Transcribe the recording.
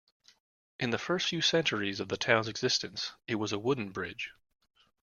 In the first few centuries of the town's existence, it was a wooden bridge.